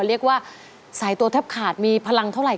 เรียกว่าสายตัวแทบขาดมีพลังเท่าไหร